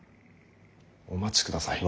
お待ちください。